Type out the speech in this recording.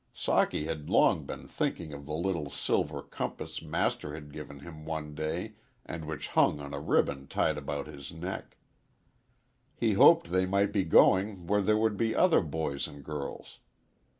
Socky had long been thinking of the little silver compass Master had given him one day and which hung on a ribbon tied about his neck. He hoped they might be going where there would be other boys and girls.